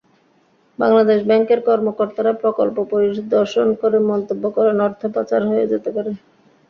বাংলাদেশ ব্যাংকের কর্মকর্তারা প্রকল্প পরিদর্শন করে মন্তব্য করেন—অর্থ পাচার হয়ে যেতে পারে।